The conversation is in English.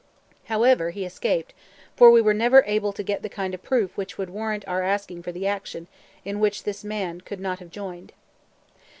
However, he escaped, for we were never able to get the kind of proof which would warrant our asking for the action in which this man could not have joined.